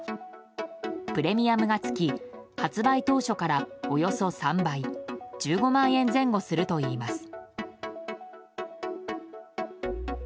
プレミアムがつき発売当初からおよそ３倍１５万円前後するといいます。